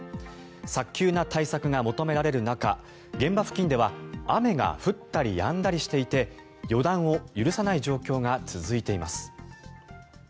早急な対策が求められる中現場付近では雨が降ったりやんだりしていて予断を許さない状況が続いています。